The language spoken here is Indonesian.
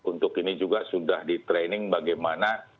jadi untuk ini juga sudah di training bagaimana